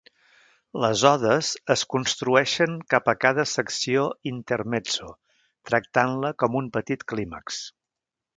Les Odes es construeixen cap a cada secció Intermezzo, tractant-la com un petit clímax.